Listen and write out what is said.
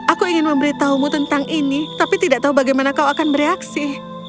aku ingin memberitahumu tentang ini tapi tidak tahu bagaimana kau akan bereaksi